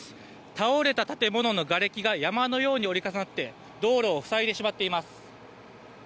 倒れた建物のがれきが山のように折り重なって道路を塞いでしまっています。